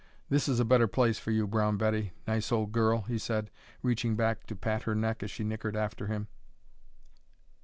"This is a better place for you, Brown Betty, nice old girl," he said, reaching back to pat her neck as she nickered after him.